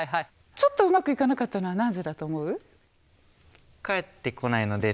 ちょっとうまくいかなかったのはなぜだと思う？